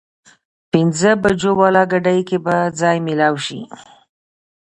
پينځه بجو واله ګاډي کې به ځای مېلاو شي؟